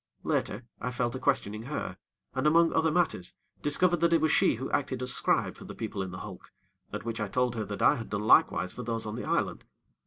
Later, I fell to questioning her, and, among other matters, discovered that it was she who acted as scribe for the people in the hulk, at which I told her that I had done likewise for those on the island.